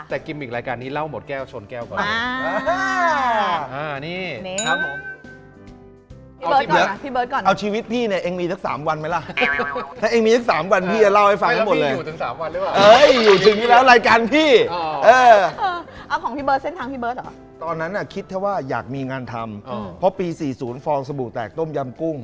แต่กิมอีกรายการนี้เล่าหมดแก้วชนแก้วก่อน